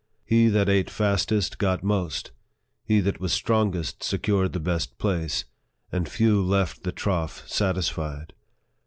He that ate fastest got most ; he that was strongest secured the best place ; and few left the trough satisfied.